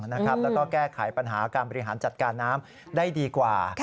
แล้วก็แก้ไขปัญหาการบริหารจัดการน้ำได้ดีกว่า